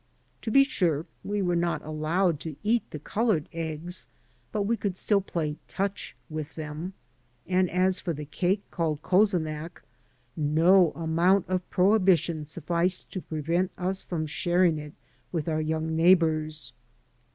To be sure, we were not allowed to eat the colored eggs, but we could still play "touch" with them; and as for the cake called cozonac no amount of prohibition sufficed to prevent us from sharing it with our young neighbors.